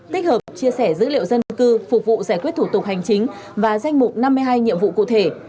tích hợp chia sẻ dữ liệu dân cư phục vụ giải quyết thủ tục hành chính và danh mục năm mươi hai nhiệm vụ cụ thể